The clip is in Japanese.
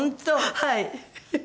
はい。